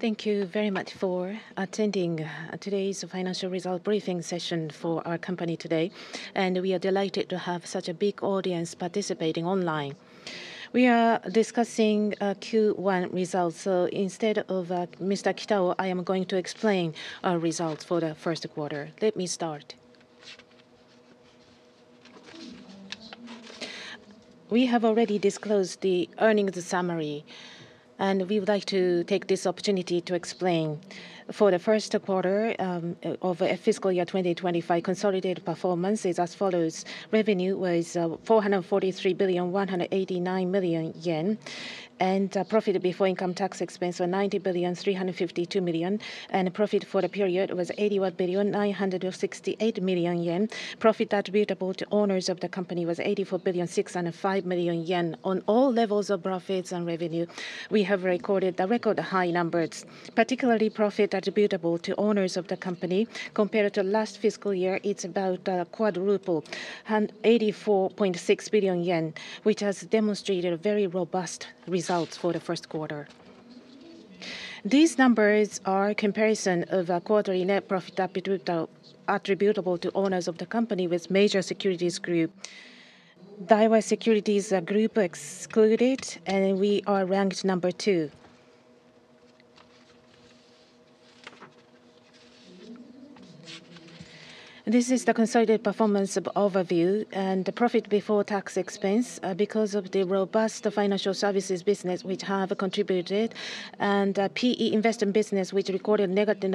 Thank you very much for attending today's financial results briefing session for our company today, and we are delighted to have such a big audience participating online. We are discussing Q1 results, so instead of Mr. Kitao, I am going to explain our results for the first quarter. Let me start. We have already disclosed the earnings summary, and we would like to take this opportunity to explain. For the first quarter of fiscal year 2025, consolidated performance is as follows: Revenue was ¥443,189 million, and profit before income tax expense was ¥90,352 million, and profit for the period was ¥81,968 million. Profit attributable to owners of the company was ¥84,605 million. On all levels of profits and revenue, we have recorded the record-high numbers, particularly profit attributable to owners of the company. Compared to last fiscal year, it's about quadrupled, ¥84.6 billion, which has demonstrated very robust results for the first quarter. These numbers are a comparison of quarterly net profit attributable to owners of the company with major securities group. Daiwa Securities Group excluded, and we are ranked number two. This is the consolidated performance overview and profit before tax expense because of the robust financial services business, which have contributed, and PE investment business, which recorded negative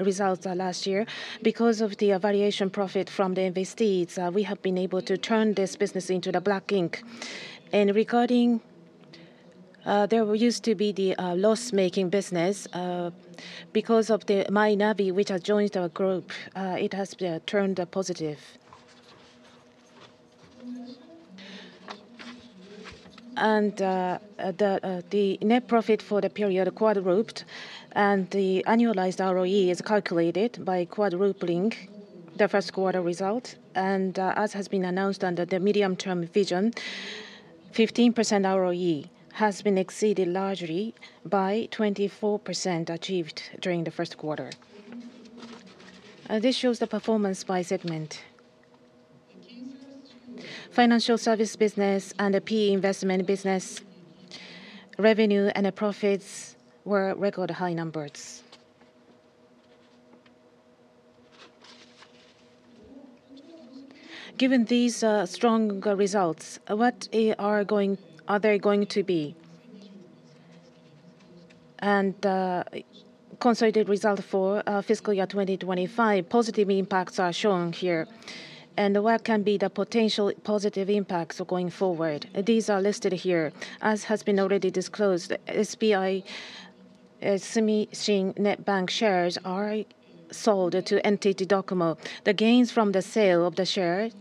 results last year. Because of the variation profit from the investees, we have been able to turn this business into the black ink. There used to be the loss-making business. Because of the Mynavi, which has joined our group, it has turned positive. The net profit for the period quadrupled, and the annualized ROE is calculated by quadrupling the first quarter result. As has been announced under the medium-term vision, 15% ROE has been exceeded largely by 24% achieved during the first quarter. This shows the performance by segment. Financial services business and PE investment business. Revenue and profits were record high numbers. Given these strong results, what are they going to be? Consolidated result for fiscal year 2025, positive impacts are shown here. What can be the potential positive impacts going forward? These are listed here. As has been already disclosed, SBI Sumishin Net Bank shares are sold to NTT Docomo. The gains from the sale of the shares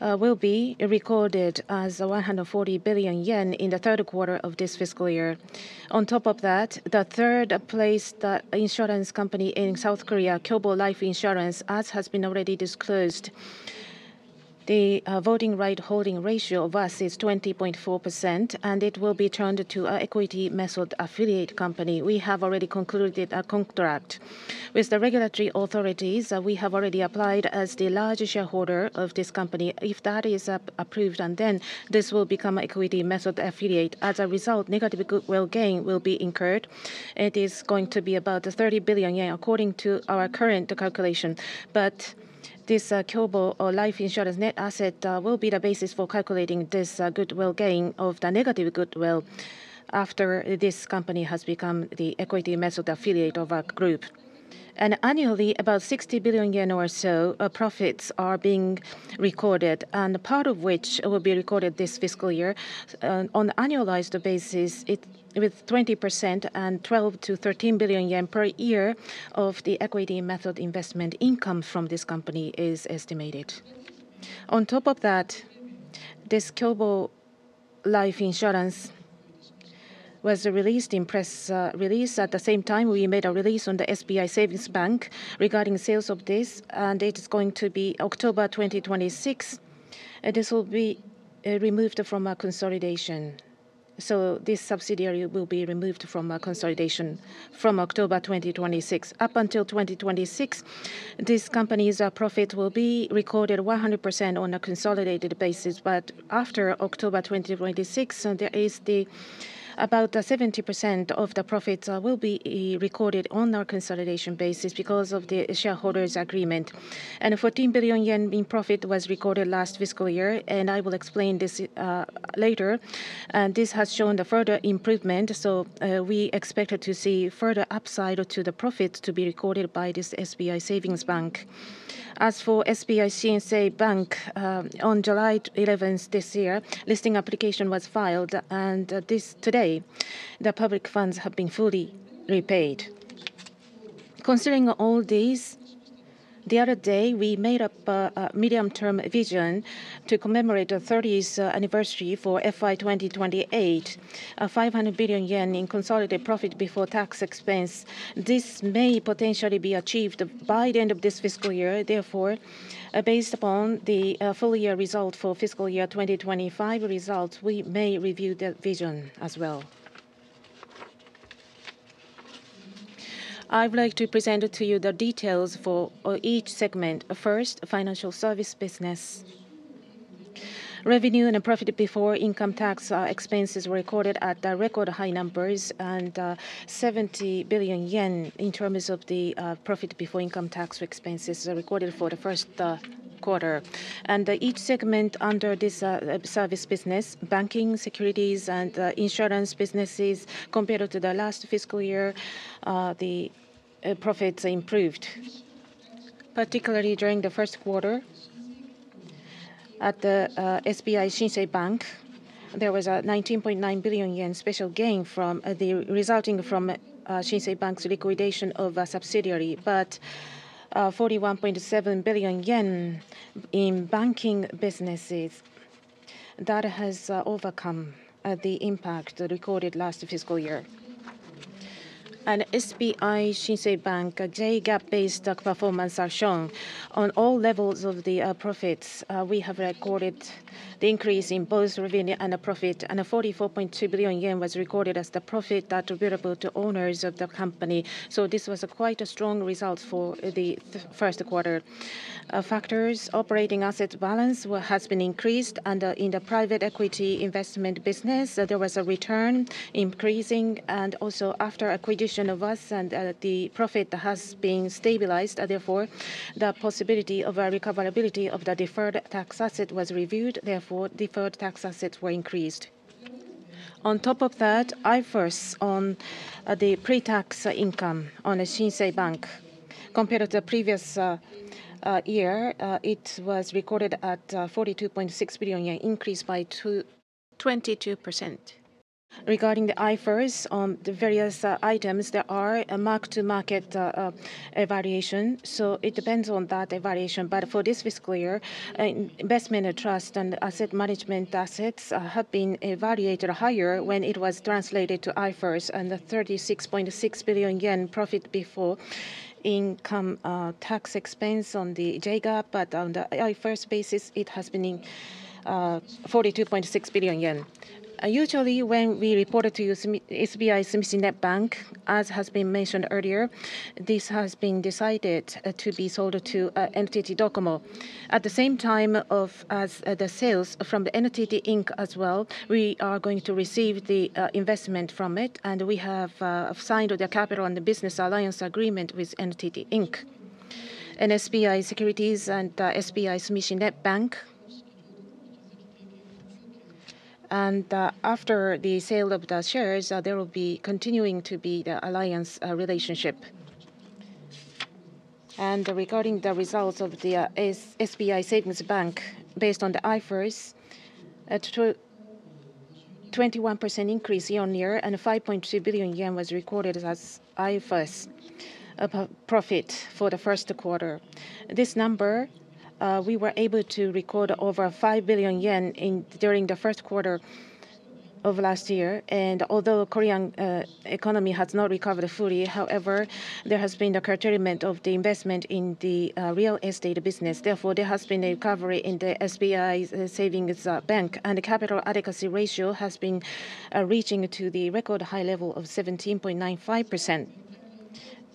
will be recorded as ¥140 billion in the third quarter of this fiscal year. On top of that, the third place insurance company in South Korea, KDB Life Insurance, as has been already disclosed. The voting right holding ratio of us is 20.4%, and it will be turned to an equity-method affiliate company. We have already concluded a contract with the regulatory authorities. We have already applied as the large shareholder of this company. If that is approved, then this will become an equity-method affiliate. As a result, negative goodwill gain will be incurred. It is going to be about ¥30 billion, according to our current calculation. This KDB Life Insurance net asset will be the basis for calculating this goodwill gain of the negative goodwill after this company has become the equity-method affiliate of our group. Annually, about ¥60 billion or so profits are being recorded, and part of which will be recorded this fiscal year. On an annualized basis, with 20% and ¥12 to ¥13 billion per year of the equity-method investment income from this company is estimated. On top of that, this KDB Life Insurance was released in press release. At the same time, we made a release on the SBI Savings Bank regarding sales of this, and it is going to be October 2026. This will be removed from consolidation. This subsidiary will be removed from consolidation from October 2026. Up until 2026, these companies' profits will be recorded 100% on a consolidated basis. After October 2026, there is about 70% of the profits that will be recorded on our consolidation basis because of the shareholders' agreement. ¥14 billion in profit was recorded last fiscal year, and I will explain this later. This has shown the further improvement, so we expect to see further upside to the profit to be recorded by this SBI Savings Bank. As for SBI Shinsei Bank, on July 11th this year, a listing application was filed, and today the public funds have been fully repaid. Considering all these, the other day we made up a medium-term vision to commemorate the 30th anniversary for FY 2028. ¥500 billion in consolidated profit before tax expense. This may potentially be achieved by the end of this fiscal year. Therefore, based upon the full-year result for fiscal year 2025 results, we may review that vision as well. I would like to present to you the details for each segment. First, Financial Services business. Revenue and profit before income tax expenses were recorded at record high numbers, and. ¥70 billion in terms of the profit before income tax expenses recorded for the first quarter. Each segment under this service business, banking, securities, and insurance businesses, compared to the last fiscal year, the profits improved, particularly during the first quarter. At SBI Shinsei Bank, there was a ¥19.9 billion special gain resulting from Shinsei Bank's liquidation of a subsidiary. ¥41.7 billion in banking businesses has overcome the impact recorded last fiscal year. SBI Shinsei Bank's J-GAAP-based performance is shown on all levels of the profits. We have recorded the increase in both revenue and profit, and ¥44.2 billion was recorded as the profit attributable to owners of the company. This was quite a strong result for the first quarter. Factors: operating asset balance has been increased, and in the private equity investment business, there was a return increasing, and also after acquisition of us, the profit has been stabilized. Therefore, the possibility of recoverability of the deferred tax asset was reviewed. Therefore, deferred tax assets were increased. On top of that, IFRS on the pre-tax income on Shinsei Bank compared to the previous year, it was recorded at ¥42.6 billion, increased by 22%. Regarding the IFRS on the various items, there are marked-to-market evaluations, so it depends on that evaluation. For this fiscal year, investment trust and asset management assets have been evaluated higher when it was translated to IFRS and ¥36.6 billion profit before income tax expense on the J-GAAP, but on the IFRS basis, it has been ¥42.6 billion. Usually, when we reported to SBI Sumishin Net Bank, as has been mentioned earlier, this has been decided to be sold to NTT Docomo. At the same time as the sales from NTT Inc as well, we are going to receive the investment from it, and we have signed the capital and the business alliance agreement with NTT Inc and SBI Securities and SBI Sumishin Net Bank. After the sale of the shares, there will be continuing to be the alliance relationship. Regarding the results of the SBI Savings Bank, based on the IFRS, a 21% increase year on year, and ¥5.2 billion was recorded as IFRS profit for the first quarter. This number, we were able to record over ¥5 billion during the first quarter of last year. Although the Korean economy has not recovered fully, however, there has been the curtailment of the investment in the real estate business. Therefore, there has been a recovery in the SBI Savings Bank, and the capital adequacy ratio has been reaching the record high level of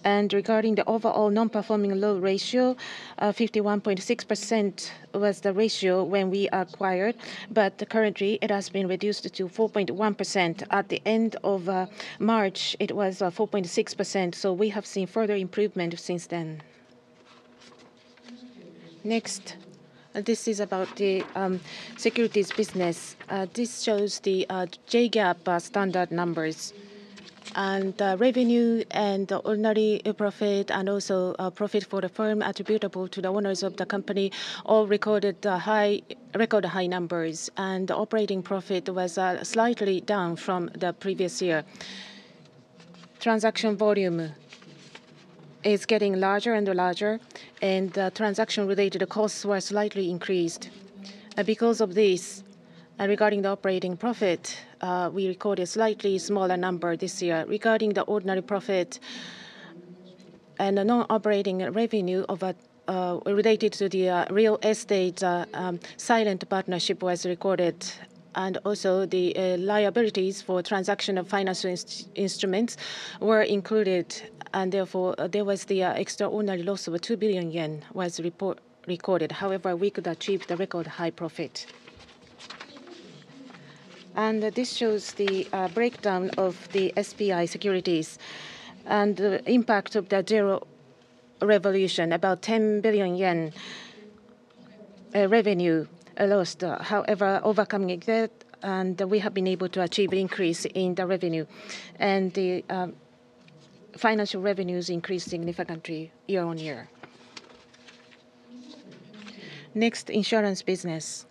17.95%. Regarding the overall non-performing loan ratio, 51.6% was the ratio when we acquired, but currently it has been reduced to 4.1%. At the end of March, it was 4.6%, so we have seen further improvement since then. Next, this is about the securities business. This shows the J-GAAP standard numbers. Revenue and ordinary profit, and also profit for the firm attributable to the owners of the company, all recorded record high numbers. The operating profit was slightly down from the previous year. Transaction volume is getting larger and larger, and transaction-related costs were slightly increased. Because of this, regarding the operating profit, we recorded a slightly smaller number this year. Regarding the ordinary profit and the non-operating revenue related to the real estate, silent partnership was recorded, and also the liabilities for transaction of financial instruments were included, and therefore there was the extraordinary loss of ¥2 billion recorded. However, we could achieve the record high profit. This shows the breakdown of the SBI Securities and the impact of the Zero Revolution, about ¥10 billion revenue lost. However, overcoming that, we have been able to achieve an increase in the revenue, and the financial revenues increased significantly year on year. Next, insurance business.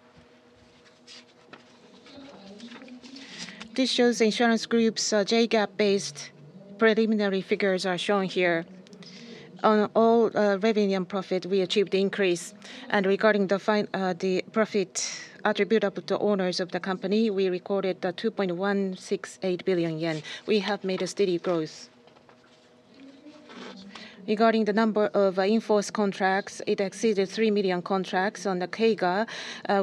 This shows insurance group's J-GAAP-based preliminary figures are shown here. On all revenue and profit, we achieved an increase. Regarding the profit attributable to owners of the company, we recorded ¥2.168 billion. We have made a steady growth. Regarding the number of enforced contracts, it exceeded 3 million contracts. On the KEGA,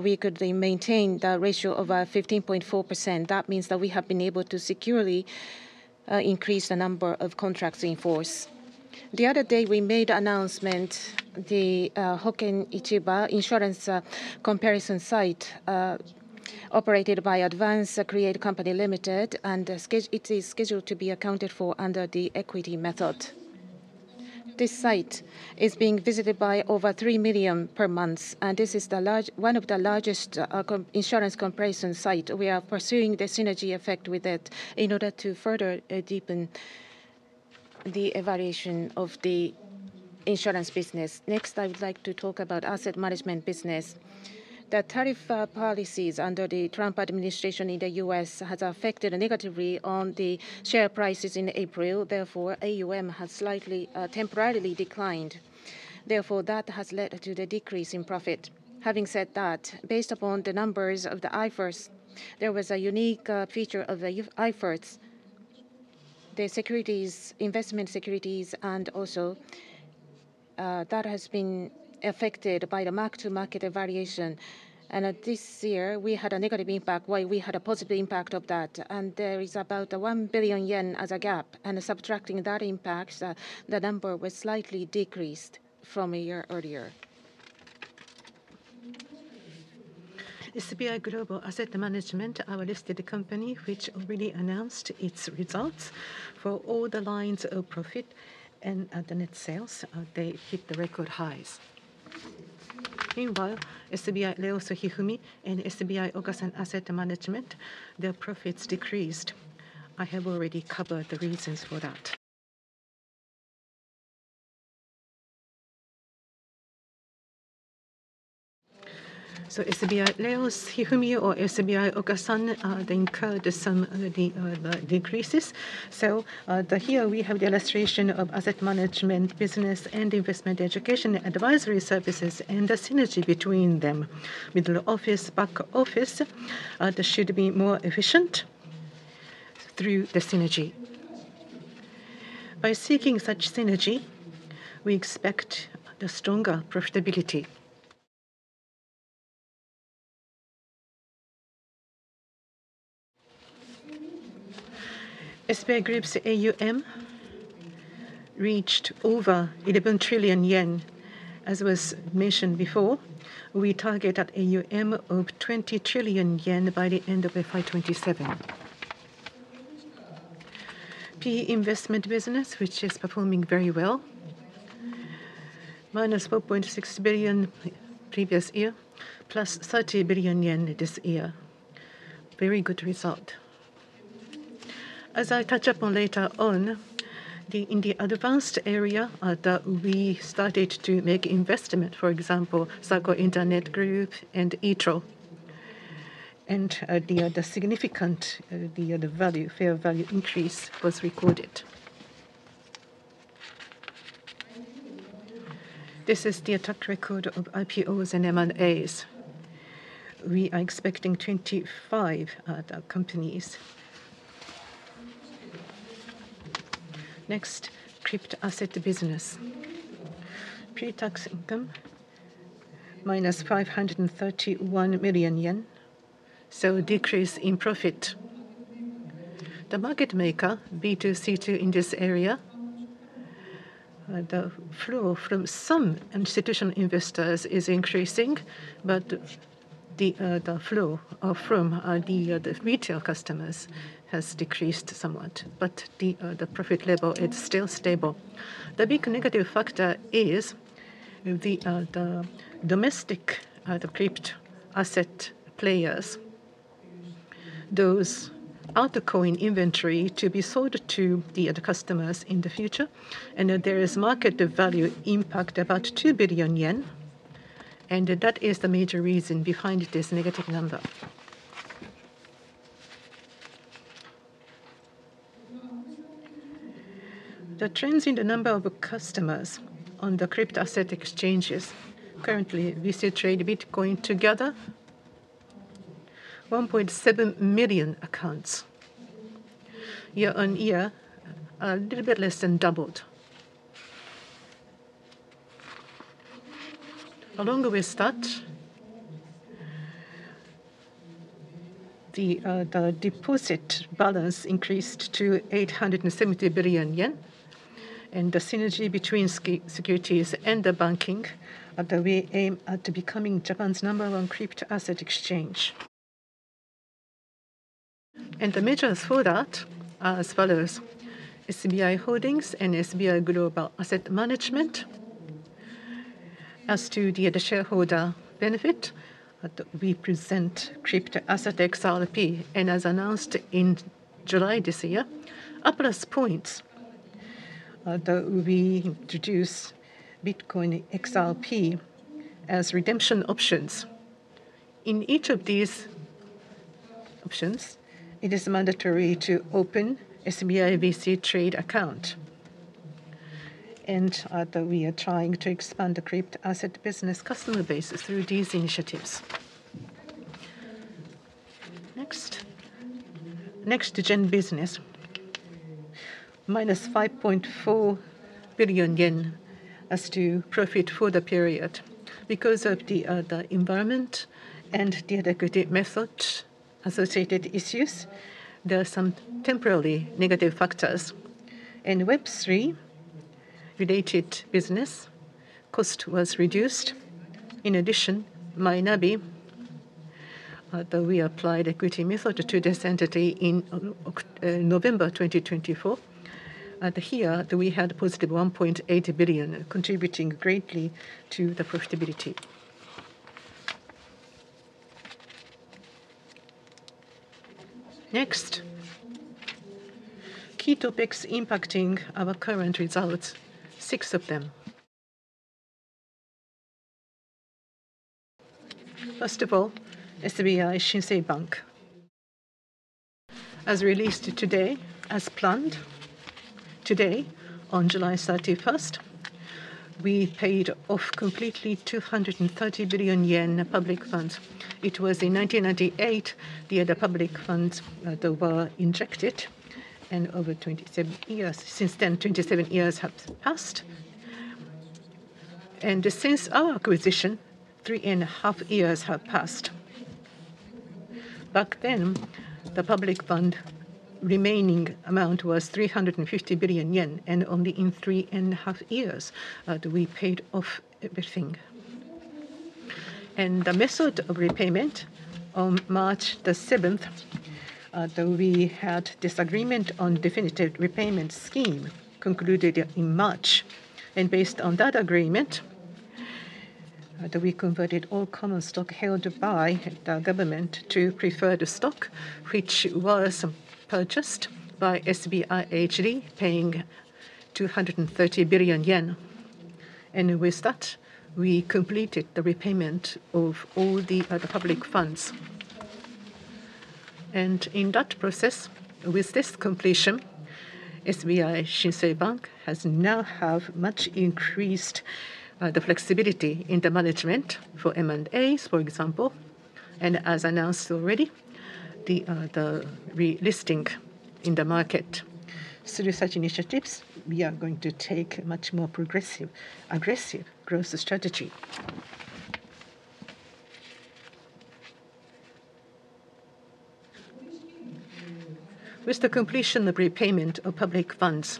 we could maintain the ratio of 15.4%. That means that we have been able to securely increase the number of contracts enforced. The other day, we made the announcement. The Hoken Ichiba insurance comparison site, operated by Advance Create Company Limited, and it is scheduled to be accounted for under the equity method. This site is being visited by over 3 million per month, and this is one of the largest insurance comparison sites. We are pursuing the synergy effect with it in order to further deepen the evaluation of the insurance business. Next, I would like to talk about asset management business. The tariff policies under the Trump administration in the U.S. have affected negatively on the share prices in April. Therefore, AUM has slightly temporarily declined. Therefore, that has led to the decrease in profit. Having said that, based upon the numbers of the IFRS, there was a unique feature of the IFRS. The securities, investment securities, and also that has been affected by the mark-to-market evaluation. This year, we had a negative impact, while we had a positive impact of that. There is about ¥1 billion as a gap. Subtracting that impact, the number was slightly decreased from a year earlier. SBI Global Asset Management, our listed company, which already announced its results for all the lines of profit and the net sales, they hit the record highs. Meanwhile, SBI Rheos Hifumi and SBI Okasan Asset Management, their profits decreased. I have already covered the reasons for that. SBI Rheos Hifumi or SBI Okasan they incurred some of the decreases. Here we have the illustration of asset management business and investment education, and advisory services, and the synergy between them. With the office back office, there should be more efficient. Through the synergy. By seeking such synergy, we expect the stronger profitability. SBI Group's AUM reached over ¥11 trillion, as was mentioned before. We targeted AUM of ¥20 trillion by the end of FY2027. PE investment business which is performing very well. Minus ¥4.6 billion previous year, plus ¥30 billion this year. Very good result. As I touch upon later on. In the advanced area that we started to make investment, for example, Sago Internet Group and ITRO. The significant value, fair value increase, was recorded. This is the track record of IPOs and M&As. We are expecting 25 companies. Next, crypto-asset business. Pre-tax income minus ¥531 million. Decrease in profit. The market maker, B2C2, in this area. The flow from some institutional investors is increasing, but the flow from the retail customers has decreased somewhat. The profit level is still stable. The big negative factor is the domestic crypto-asset players. Those out-of-coin inventory to be sold to the customers in the future. There is market value impact about ¥2 billion. That is the major reason behind this negative number. The trends in the number of customers on the crypto-asset exchanges. Currently, we see trade Bitcoin together. 1.7 million accounts. Year on year, a little bit less than doubled. Along with that, the deposit balance increased to ¥870 billion. The synergy between securities and the banking. We aim at becoming Japan's number one crypto-asset exchange. The measures for that, as well as SBI Holdings and SBI Global Asset Management. As to the shareholder benefit, we present crypto-asset XRP, and as announced in July this year, upwards points. We introduce Bitcoin, XRP as redemption options. In each of these options, it is mandatory to open an SBI VC Trade account. We are trying to expand the crypto-asset business customer base through these initiatives. Next, next-gen business. Minus ¥5.4 billion as to profit for the period. Because of the environment and the equity-method associated issues, there are some temporarily negative factors. Web3-related business cost was reduced. In addition, Minabi. We applied equity method to this entity in November 2024. Here, we had a positive ¥1.8 billion, contributing greatly to the profitability. Next, key topics impacting our current results, six of them. First of all, SBI Shinsei Bank. As released today, as planned. Today, on July 31st, we paid off completely ¥230 billion public funds. It was in 1998 the public funds that were injected, and over 27 years since then, 27 years have passed. Since our acquisition, three and a half years have passed. Back then, the public fund remaining amount was ¥350 billion, and only in three and a half years, we paid off everything. The method of repayment. On March 7th, we had disagreement on the definitive repayment scheme concluded in March. Based on that agreement, we converted all common stock held by the government to preferred stock, which was purchased by SBIH, paying ¥230 billion. With that, we completed the repayment of all the public funds. In that process, with this completion, SBI Shinsei Bank has now had much increased flexibility in the management for M&As, for example. As announced already, the relisting in the market. Through such initiatives, we are going to take a much more progressive, aggressive growth strategy. With the completion of repayment of public funds,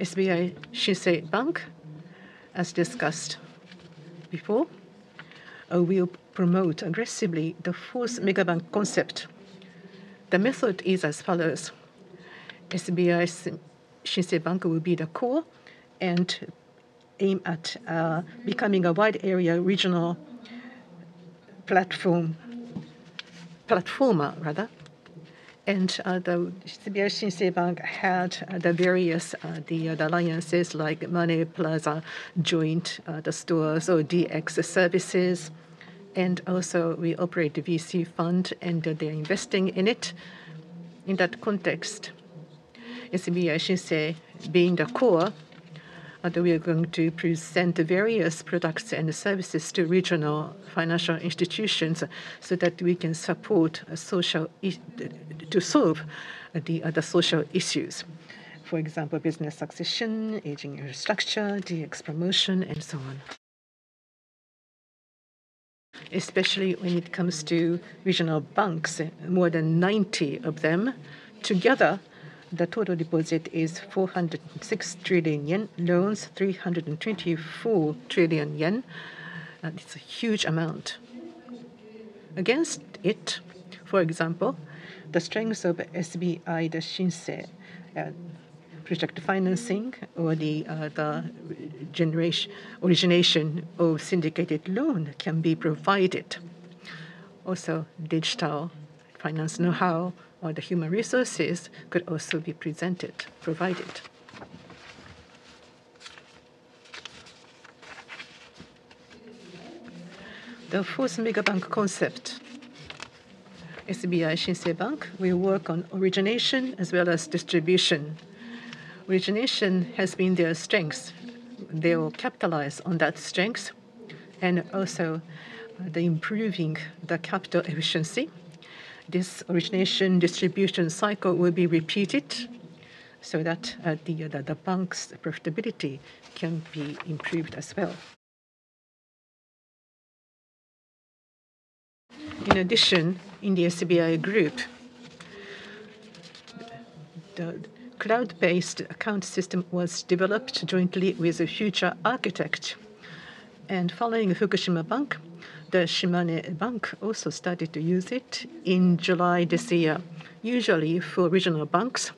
SBI Shinsei Bank, as discussed before, we will promote aggressively the fourth mega bank concept. The method is as follows. SBI Shinsei Bank will be the core and aim at becoming a wide area regional platform. Platformer, rather. SBI Shinsei Bank had the various alliances, like Money Plaza joint the stores or DX services. We operate the VC fund, and they're investing in it. In that context, SBI Shinsei being the core. We are going to present various products and services to regional financial institutions so that we can support social initiatives to solve other social issues. For example, business succession, aging infrastructure, DX promotion, and so on. Especially when it comes to regional banks, more than 90 of them together, the total deposit is ¥406 trillion, loans ¥324 trillion. That's a huge amount. Against it, for example, the strength of SBI Shinsei: project financing or the origination of syndicated loan can be provided. Also, digital finance know-how or the human resources could also be presented, provided. The fourth mega bank concept, SBI Shinsei Bank, will work on origination as well as distribution. Origination has been their strength. They will capitalize on that strength and also the improving of the capital efficiency. This origination distribution cycle will be repeated so that the bank's profitability can be improved as well. In addition, in the SBI Group, the cloud-based account system was developed jointly with a future architect. Following Fukushima Bank, the Shimane Bank also started to use it in July this year. Usually, for regional banks,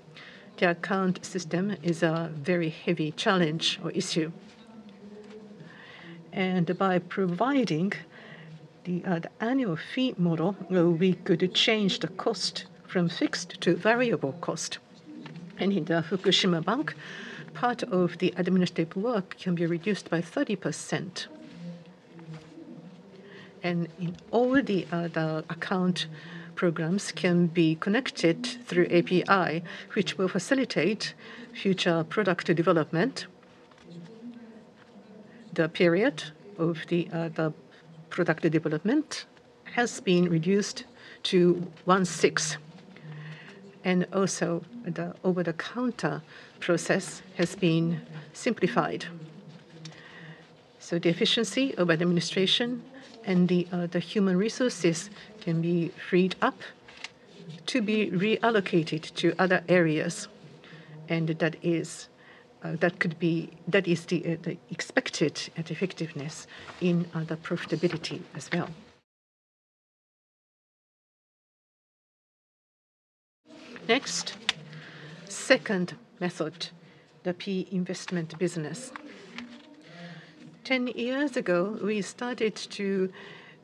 the account system is a very heavy challenge or issue. By providing the annual fee model, we could change the cost from fixed to variable cost. In the Fukushima Bank, part of the administrative work can be reduced by 30%. All the account programs can be connected through API, which will facilitate future product development. The period of the product development has been reduced to 1/6. The over-the-counter process has been simplified. The efficiency of administration and the human resources can be freed up to be reallocated to other areas. That could be the expected effectiveness in the profitability as well. Next, second method, the PE investment business. Ten years ago, we started to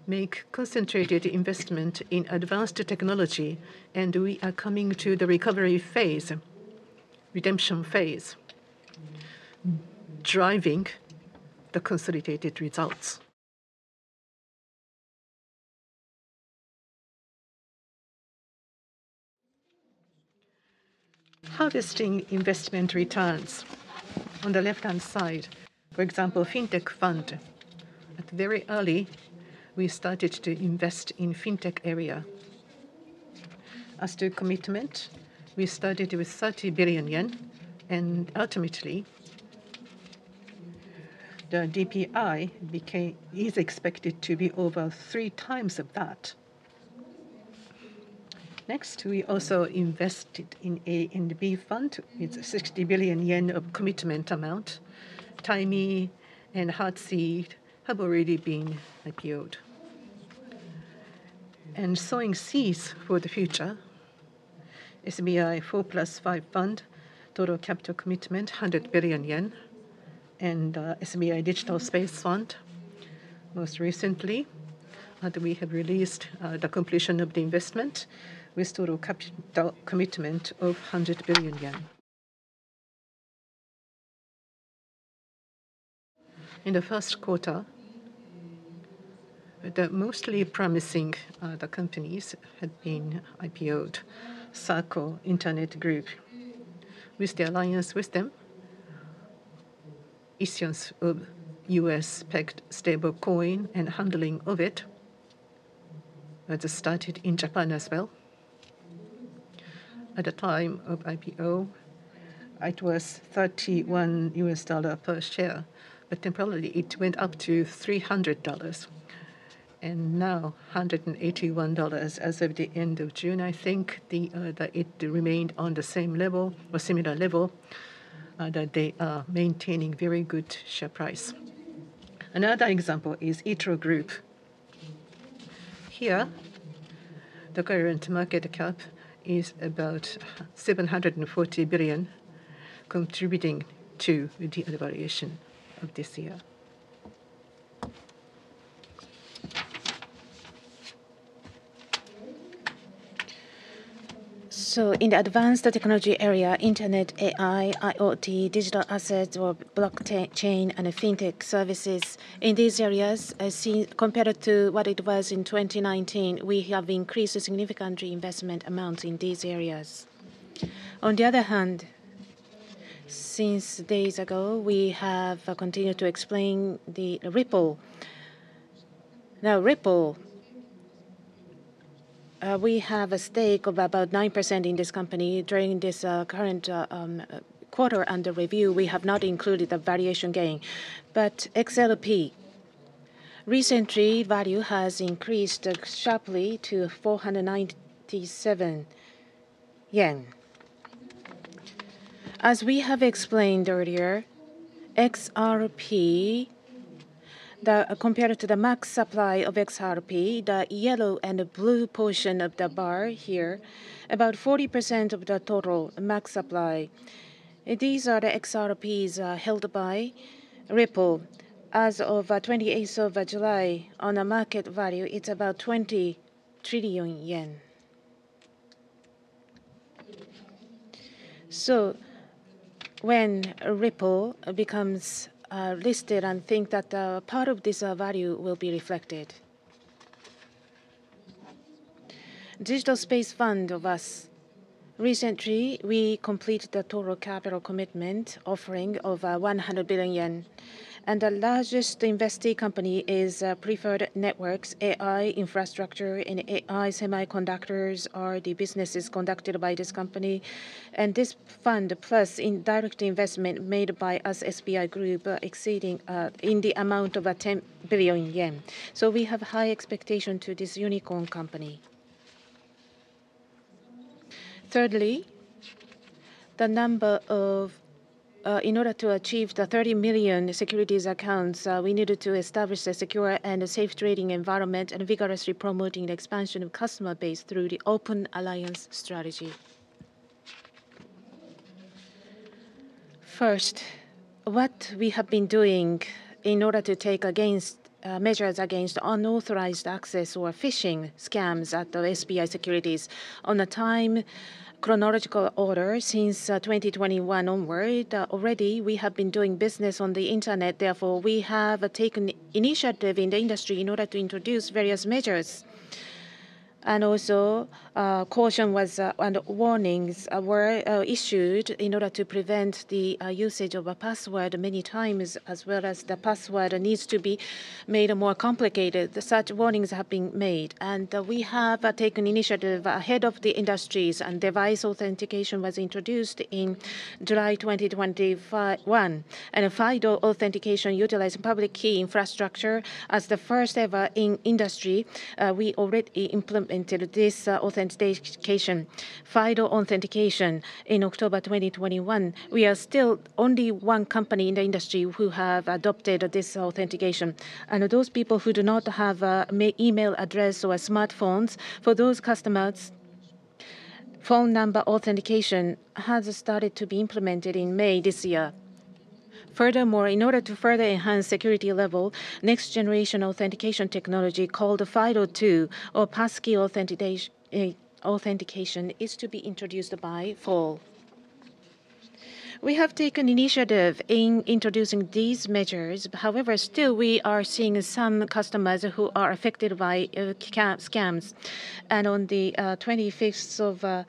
make concentrated investment in advanced technology, and we are coming to the recovery phase, redemption phase, driving the consolidated results, harvesting investment returns. On the left-hand side, for example, fintech fund. At very early, we started to invest in fintech area. As to commitment, we started with ¥30 billion, and ultimately the DPI is expected to be over three times that. Next, we also invested in A and B fund with ¥60 billion of commitment amount. Taimi and Hatsie have already been IPOed. Sowing seeds for the future. SBI 4+5 Fund, total capital commitment ¥100 billion, and SBI Digital Space Fund. Most recently, we have released the completion of the investment with total capital commitment of ¥100 billion. In the first quarter, the most promising companies had been IPOed, Sago Internet Group. With the alliance with them, issuance of U.S.-pegged stablecoin and handling of it started in Japan as well. At the time of IPO, it was $31 per share, but temporarily it went up to $300, and now $181 as of the end of June. I think it remained on the same level or similar level, that they are maintaining very good share price. Another example is ITRO Group. Here, the current market cap is about ¥740 billion, contributing to the valuation of this year. In the advanced technology area, internet, AI, IoT, digital assets, blockchain, and fintech services, in these areas, compared to what it was in 2019, we have increased significantly investment amounts in these areas. On the other hand, since days ago, we have continued to explain the Ripple. Now, Ripple, we have a stake of about 9% in this company. During this current quarter under review, we have not included the valuation gain. XRP, recently, value has increased sharply to ¥497. As we have explained earlier, XRP, compared to the max supply of XRP, the yellow and blue portion of the bar here, about 40% of the total max supply, these are the XRPs held by Ripple. As of 28th of July, on a market value, it's about ¥20 trillion. When Ripple becomes listed, I think that part of this value will be reflected. Digital Space Fund of U.S., recently, we completed the total capital commitment offering of ¥100 billion, and the largest investing company is Preferred Networks. AI infrastructure and AI semiconductors are the businesses conducted by this company. This fund, plus in direct investment made by us, SBI Group, exceeding in the amount of ¥10 billion. We have high expectations to this unicorn company. Thirdly, the number of, in order to achieve the 30 million securities accounts, we needed to establish a secure and safe trading environment and vigorously promoting the expansion of customer base through the open alliance strategy. First. What we have been doing in order to take measures against unauthorized access or phishing scams at SBI Securities in chronological order since 2021 onward, already we have been doing business on the internet. Therefore, we have taken initiative in the industry in order to introduce various measures. Caution and warnings were issued in order to prevent the usage of a password many times, as well as the password needs to be made more complicated. Such warnings have been made. We have taken initiative ahead of the industry. Device authentication was introduced in July 2021. FIDO authentication utilized public key infrastructure as the first ever in the industry. We already implemented this authentication, FIDO authentication, in October 2021. We are still the only company in the industry who has adopted this authentication. Those people who do not have an email address or smartphones, for those customers, phone number authentication has started to be implemented in May this year. Furthermore, in order to further enhance security level, next-generation authentication technology called FIDO2 or passkey authentication is to be introduced by fall. We have taken initiative in introducing these measures. However, still, we are seeing some customers who are affected by scams. On the 25th of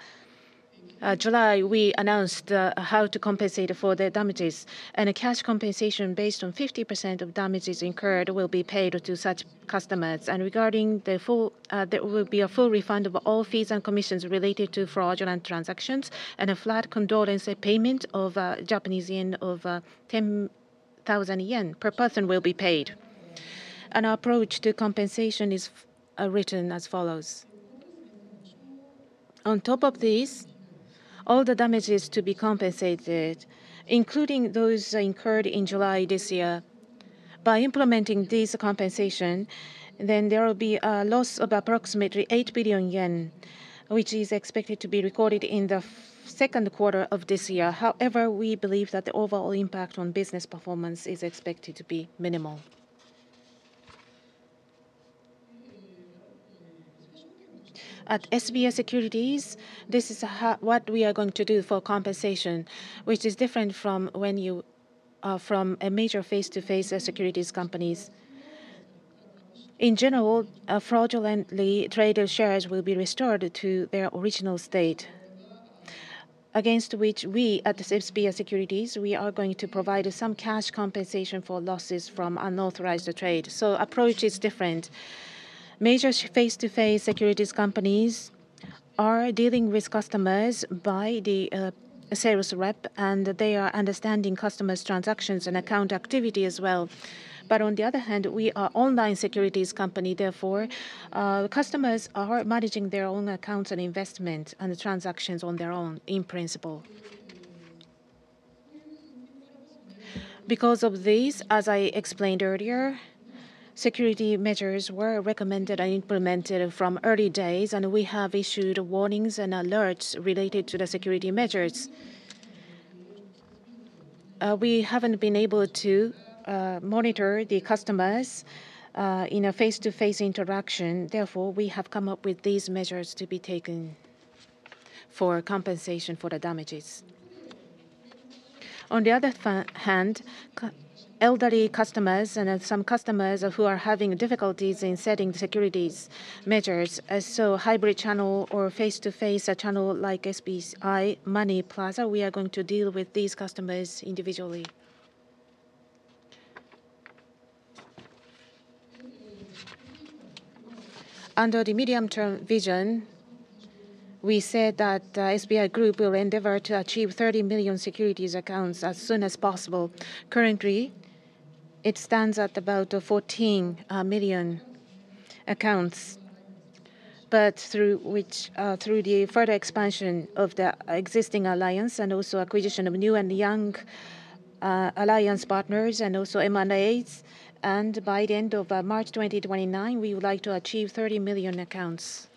July, we announced how to compensate for the damages. A cash compensation based on 50% of damages incurred will be paid to such customers. Regarding the full, there will be a full refund of all fees and commissions related to fraudulent transactions, and a flat condolence payment of ¥10,000 per person will be paid. Our approach to compensation is written as follows. On top of this, all the damages to be compensated, including those incurred in July this year, by implementing this compensation, then there will be a loss of approximately ¥8 billion, which is expected to be recorded in the second quarter of this year. However, we believe that the overall impact on business performance is expected to be minimal. At SBI Securities, this is what we are going to do for compensation, which is different from when you are from a major face-to-face securities company. In general, fraudulently traded shares will be restored to their original state, against which we, at SBI Securities, are going to provide some cash compensation for losses from unauthorized trade. The approach is different. Major face-to-face securities companies are dealing with customers by the sales rep, and they are understanding customers' transactions and account activity as well. On the other hand, we are an online securities company. Therefore, customers are managing their own accounts and investments, and transactions on their own, in principle. Because of these, as I explained earlier, security measures were recommended and implemented from early days, and we have issued warnings and alerts related to the security measures. We haven't been able to monitor the customers in a face-to-face interaction. Therefore, we have come up with these measures to be taken for compensation for the damages. On the other hand, elderly customers and some customers who are having difficulties in setting securities measures, so hybrid channel or face-to-face channel like SBI Money Plaza, we are going to deal with these customers individually. Under the medium-term vision, we said that SBI Group will endeavor to achieve 30 million securities accounts as soon as possible. Currently, it stands at about 14 million accounts. Through the further expansion of the existing alliance and also acquisition of new and young alliance partners, and also M&As, by the end of March 2029, we would like to achieve 30 million accounts.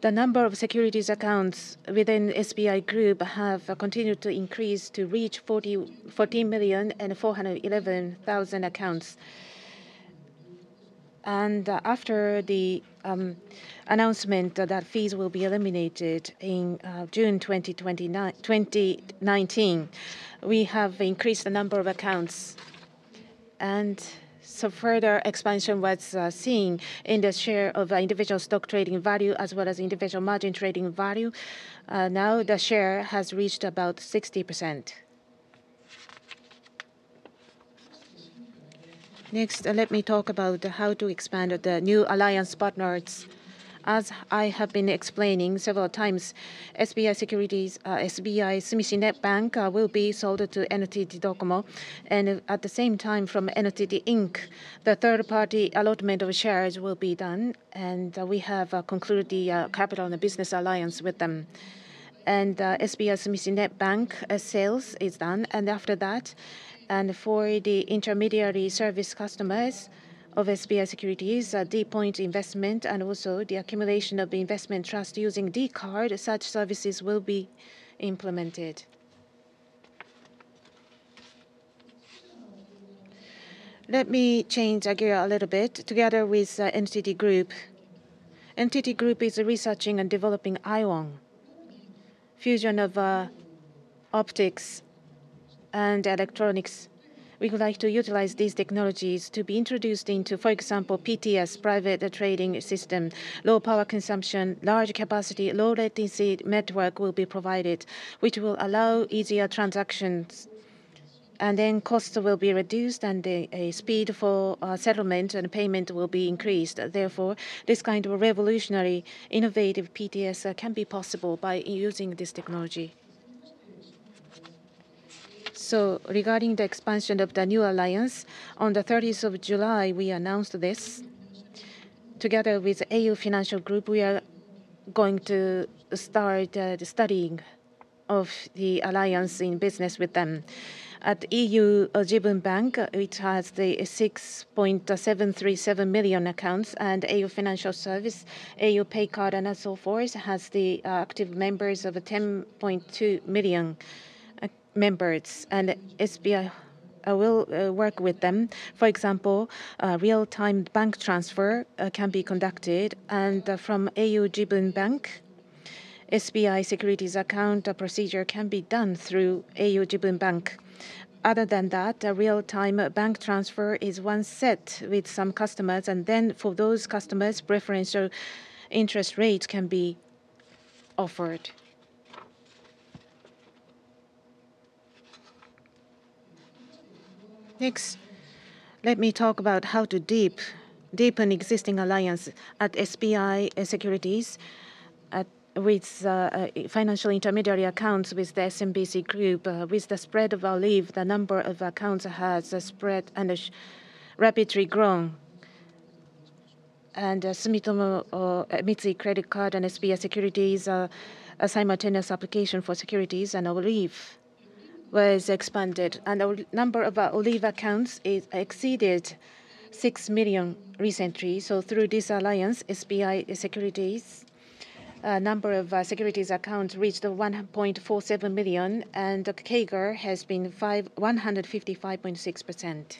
The number of securities accounts within SBI Group have continued to increase to reach 14,411,000 accounts. After the announcement that fees will be eliminated in June 2019, we have increased the number of accounts, and some further expansion was seen in the share of individual stock trading value as well as individual margin trading value. Now the share has reached about 60%. Next, let me talk about how to expand the new alliance partners. As I have been explaining several times, SBI Securities, SBI Sumishin Net Bank will be sold to NTT Docomo. At the same time, from NTT Inc, the third-party allotment of shares will be done, and we have concluded the capital and business alliance with them. SBI Sumishin Net Bank sales is done, and after that, for the intermediary service customers of SBI Securities, D-point investment and also the accumulation of investment trust using D-card, such services will be implemented. Let me change gear a little bit together with NTT Group. NTT Group is researching and developing ION, fusion of optics and electronics. We would like to utilize these technologies to be introduced into, for example, PTS, private trading system. Low power consumption, large capacity, low latency network will be provided, which will allow easier transactions. Costs will be reduced, and the speed for settlement and payment will be increased. Therefore, this kind of revolutionary, innovative PTS can be possible by using this technology. Regarding the expansion of the new alliance, on the 30th of July, we announced this. Together with au Financial Group, we are going to start the studying of the alliance in business with them. At au Jibun Bank, which has 6.737 million accounts, and au Financial Service, au Pay Card and so forth, has the active members of 10.2 million members. SBI will work with them. For example, real-time bank transfer can be conducted. From au Jibun Bank, SBI Securities account procedure can be done through au Jibun Bank. Other than that, a real-time bank transfer is one set with some customers. For those customers, preferential interest rate can be offered. Next, let me talk about how to deepen existing alliance at SBI Securities with financial intermediary accounts with the SMBC Group. With the spread of our leave, the number of accounts has spread and rapidly grown. Sumitomo Mitsui Credit Card and SBI Securities simultaneous application for securities and our leave was expanded. The number of our leave accounts exceeded 6 million recently. Through this alliance, SBI Securities number of securities accounts reached 1.47 million. KEGA has been 155.6%.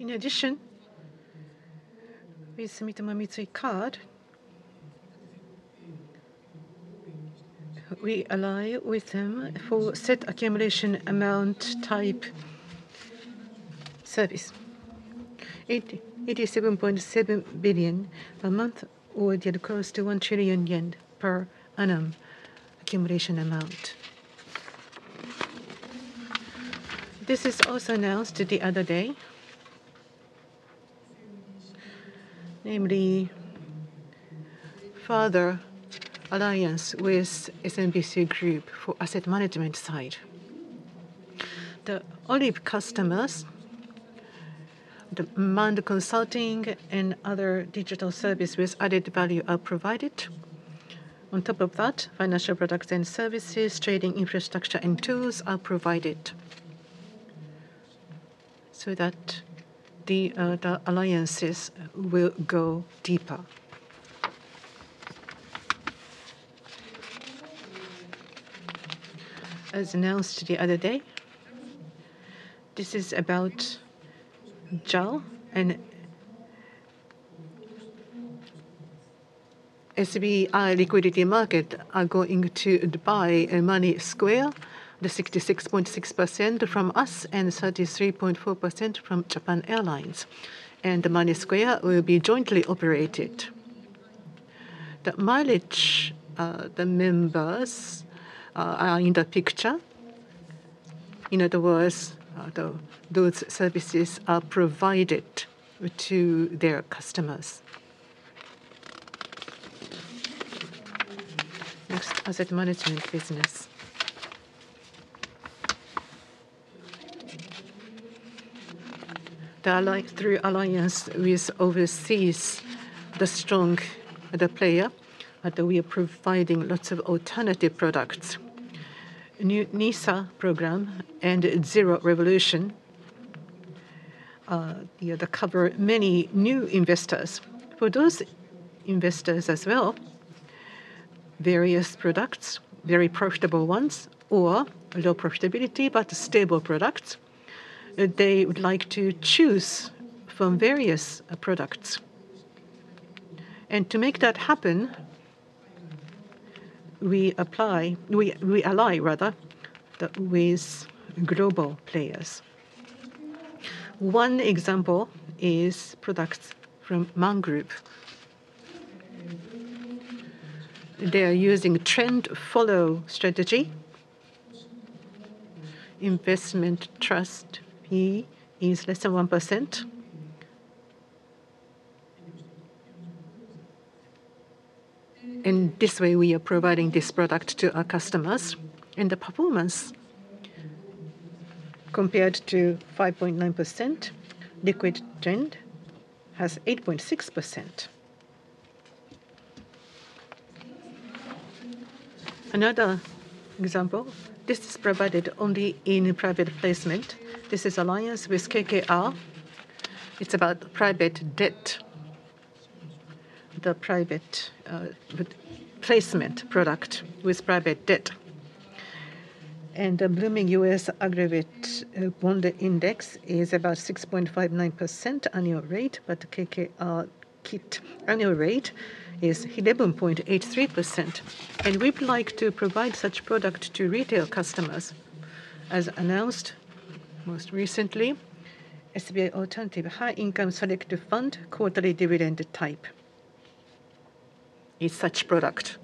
In addition, with Sumitomo Mitsui Card, we align with them for set accumulation amount type service. ¥87.7 billion per month, or close to ¥1 trillion per annum accumulation amount. This is also announced the other day. Namely, further alliance with SMBC Group for asset management side. The Olive customers, the MAND Consulting and other digital services with added value are provided. On top of that, financial products and services, trading infrastructure and tools are provided so that the alliances will go deeper. As announced the other day, this is about JAL and SBI Liquidity Market are going to buy Money Square, the 66.6% from us and 33.4% from Japan Airlines. Money Square will be jointly operated. The mileage, the members, are in the picture. In other words, those services are provided to their customers. Next, asset management business. Through alliance with overseas, the strong player, we are providing lots of alternative products. NISA program and Zero Revolution cover many new investors. For those investors as well, various products, very profitable ones or low profitability but stable products, they would like to choose from various products. To make that happen, we ally rather with global players. One example is products from MAND Group. They are using a trend-follow strategy. Investment trust fee is less than 1%. In this way, we are providing this product to our customers. The performance compared to 5.9%, Liquid Trend has 8.6%. Another example, this is provided only in private placement. This is alliance with KKR. It's about private debt. The private placement product with private debt and the Bloomberg U.S. Aggregate Bond Index is about 6.59% annual rate, but the KKR KIT annual rate is 11.83%. We'd like to provide such product to retail customers. As announced most recently, SBI Alternative High Income Selective Fund, quarterly dividend type, is such product.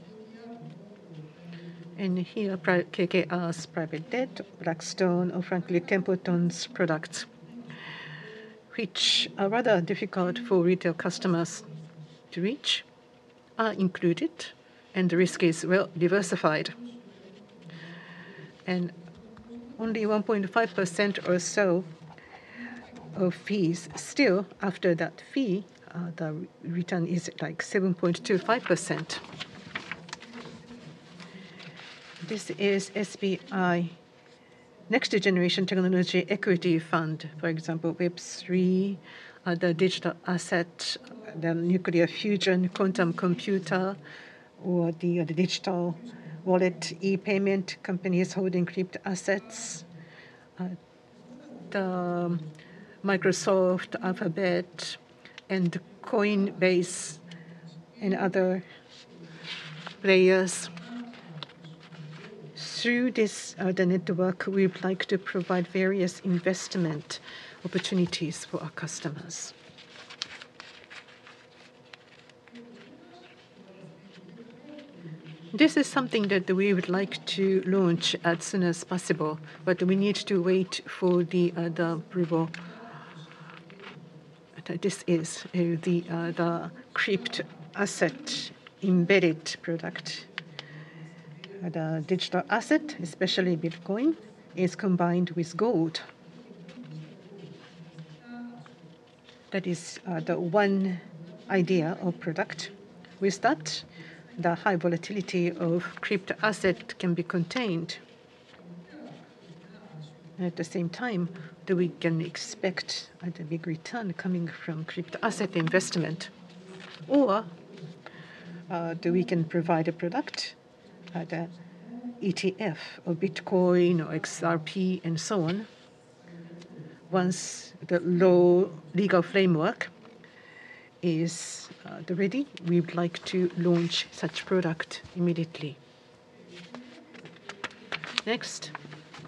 Here, KKR's private debt, Blackstone of Franklin Templeton's products, which are rather difficult for retail customers to reach, are included, and the risk is well diversified. Only 1.5% or so of fees. Still, after that fee, the return is like 7.25%. This is SBI Next Generation Technology Equity Fund, for example, Web3, the digital asset, the nuclear fusion, quantum computer, or the digital wallet e-payment companies holding crypto-assets. Microsoft, Alphabet, and Coinbase, and other players. Through this network, we would like to provide various investment opportunities for our customers. This is something that we would like to launch as soon as possible, but we need to wait for the approval. This is the crypto-asset embedded product. The digital asset, especially Bitcoin, is combined with gold. That is the one idea of product. With that, the high volatility of crypto-asset can be contained. At the same time, we can expect a big return coming from crypto-asset investment. We can provide a product, the ETF of Bitcoin or XRP and so on. Once the low legal framework is ready, we would like to launch such product immediately. Next,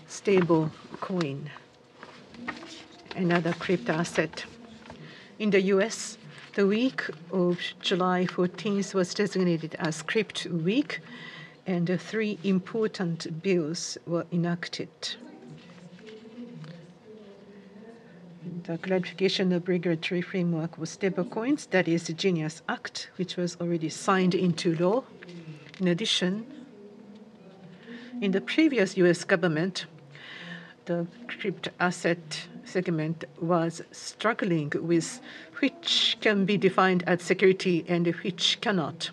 stablecoin, another crypto-asset. In the U.S., the week of July 14 was designated as crypto week, and three important bills were enacted. The clarification of regulatory framework was stablecoins, that is, the Genius Act, which was already signed into law. In addition, in the previous U.S. government, the crypto-asset segment was struggling with which can be defined as security and which cannot.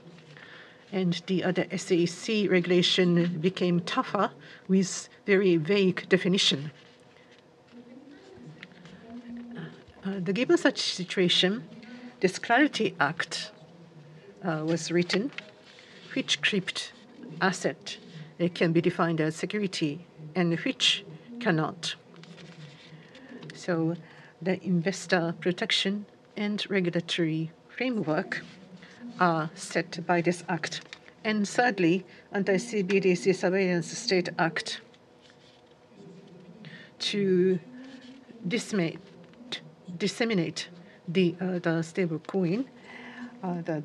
The other SEC regulation became tougher with very vague definition. Given such a situation, this Clarity Act was written, which crypto-asset can be defined as security and which cannot. The investor protection and regulatory framework are set by this act. Thirdly, under CBDC Surveillance State Act, to disseminate the stablecoin,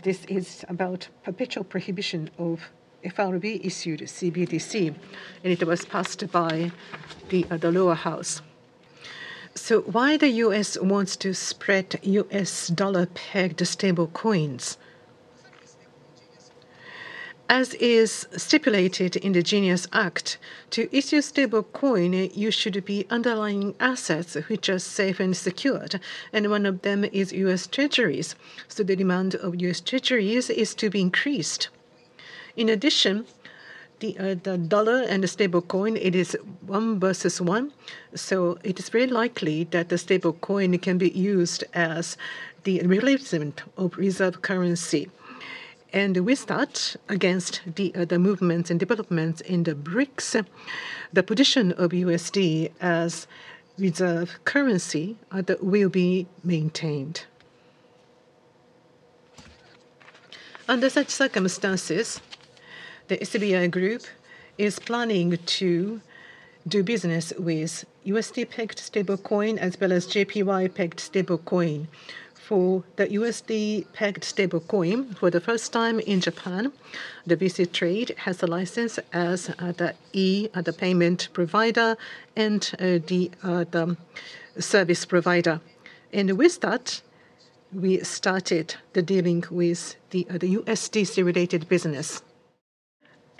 this is about perpetual prohibition of FRB-issued CBDC, and it was passed by the lower house. Why the U.S. wants to spread U.S. dollar-pegged stablecoins? As is stipulated in the Genius Act, to issue stablecoin, you should be underlying assets which are safe and secured, and one of them is U.S. treasuries. The demand of U.S. treasuries is to be increased. In addition, the dollar and the stablecoin, it is one versus one. It is very likely that the stablecoin can be used as the relief of reserve currency. With that, against the movements and developments in the BRICS, the position of USD as reserve currency will be maintained. Under such circumstances, the SBI Group is planning to do business with USD-pegged stablecoin as well as JPY-pegged stablecoin. For the USD-pegged stablecoin, for the first time in Japan, the VC Trade has a license as the payment provider and the service provider. With that, we started the dealing with the USDC-related business.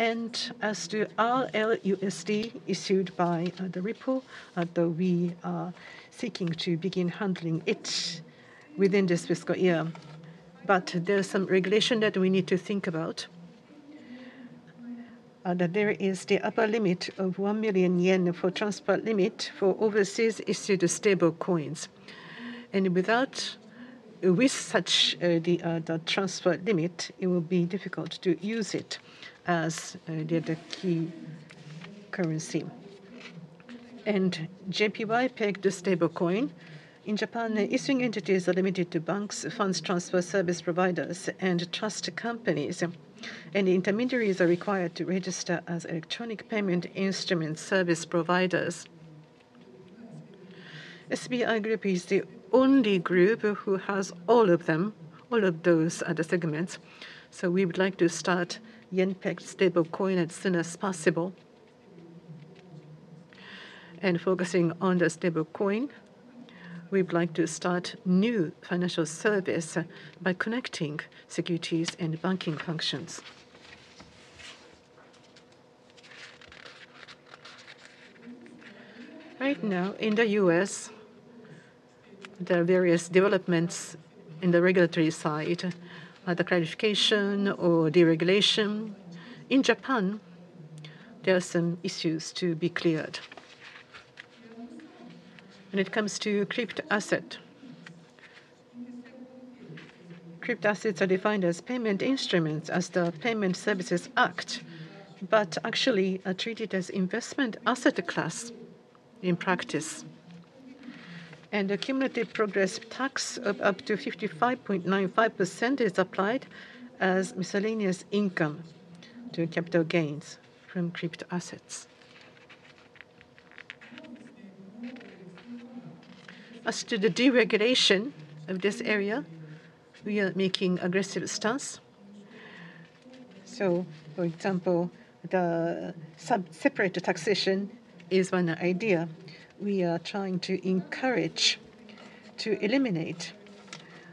As to RLUSD issued by Ripple, we are seeking to begin handling it within this fiscal year. There is some regulation that we need to think about, that there is the upper limit of ¥1 million for transport limit for overseas-issued stablecoins. Without such the transport limit, it will be difficult to use it as the key currency. JPY-pegged stablecoin in Japan, issuing entities are limited to banks, funds transfer service providers, and trust companies. Intermediaries are required to register as electronic payment instrument service providers. SBI Group is the only group who has all of them, all of those other segments. We would like to start yen-pegged stablecoin as soon as possible. Focusing on the stablecoin, we'd like to start new financial service by connecting securities and banking functions. Right now, in the U.S., there are various developments in the regulatory side, either clarification or deregulation. In Japan, there are some issues to be cleared when it comes to crypto-asset. Crypto-assets are defined as payment instruments as the Payment Services Act, but actually are treated as investment asset class in practice. The cumulative progress tax of up to 55.95% is applied as miscellaneous income to capital gains from crypto-assets. As to the deregulation of this area, we are making aggressive stance. For example, separate taxation is one idea. We are trying to encourage to eliminate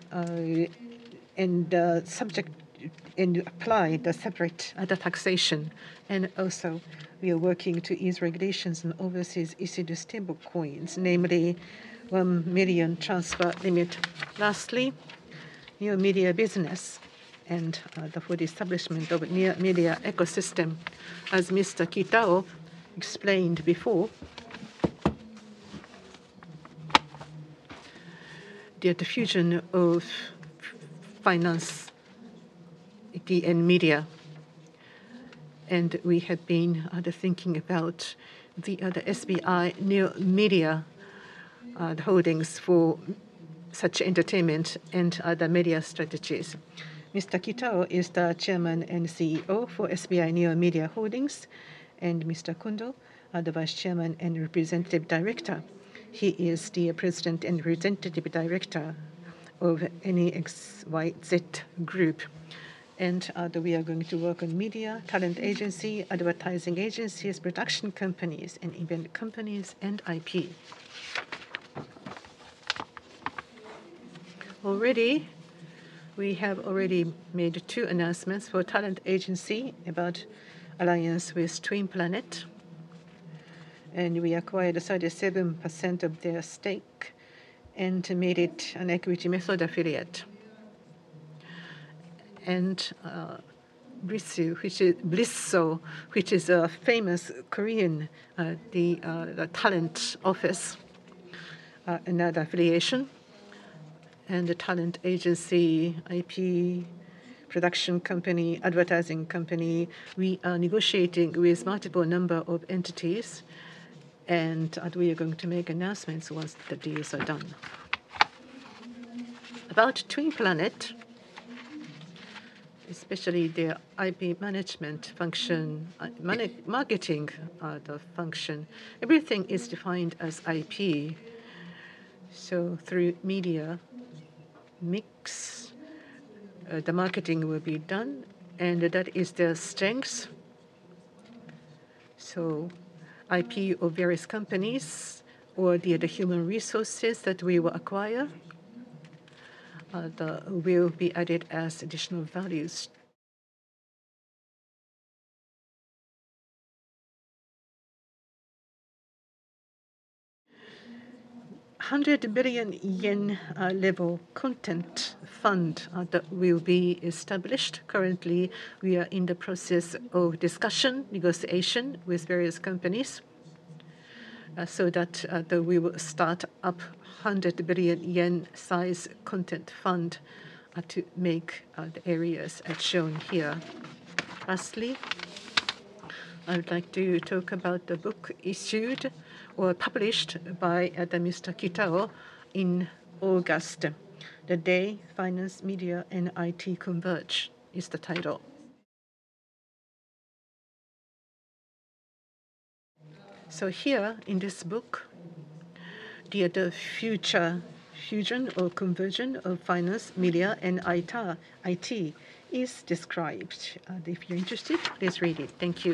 and apply the separate taxation. We are also working to ease regulations on overseas-issued stablecoins, namely ¥1 million transfer limit. Lastly, new media business. For the establishment of a new media ecosystem, as Mr. Kitao explained before, the diffusion of finance, media, and we have been thinking about the SBI New Media Holdings for such entertainment and other media strategies. Mr. Kitao is the Chairman and CEO for SBI New Media Holdings, and Mr. Kondo is the Vice Chairman and Representative Director. He is the President and Representative Director of NEXYZ.Group. We are going to work on media, talent agency, advertising agencies, production companies, event companies, and IP. We have already made two announcements for talent agency about alliance with Stream Planet. We acquired 37% of their stake and made it an equity-method affiliate. Blisso, which is a famous Korean talent office, is another affiliation. The talent agency, IP, production company, advertising company, we are negotiating with multiple numbers of entities. We are going to make announcements once the deals are done. About Stream Planet, especially their IP management function, marketing function, everything is defined as IP. Through media mix, the marketing will be done, and that is their strength. IP of various companies or the human resources that we will acquire will be added as additional values. ¥100 billion level content fund that will be established. Currently, we are in the process of discussion, negotiation with various companies so that we will start up ¥100 billion-size content fund to make the areas as shown here. Lastly, I would like to talk about the book issued or published by Mr. Kitao in August. The day "Finance, Media, and IT Converge" is the title. In this book, the future fusion or conversion of finance, media, and IT is described. If you're interested, please read it. Thank you.